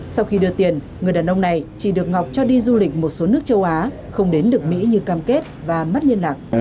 sau khi đưa tiền người đàn ông này chỉ được ngọc cho đi du lịch một số nước châu á không đến được mỹ như cam kết và mất liên lạc